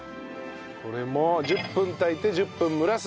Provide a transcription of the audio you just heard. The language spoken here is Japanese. これも１０分炊いて１０分蒸らす。